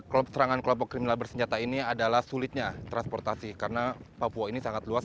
kelompok serangan kelompok kriminal bersenjata ini adalah sulitnya transportasi karena papua ini sangat luas